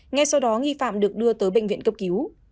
ngay sau đó nghi phạm được đưa tới bệnh viện cấp cứu